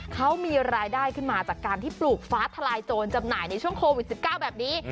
เขามีรายได้ขึ้นมาจากการที่ปลูกฟ้าทลายโจรจำหน่ายในช่วงโควิด๑๙แบบนี้